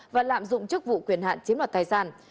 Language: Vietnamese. và lạm dụng chức vụ quyền hạn chiếm đoạt tài sản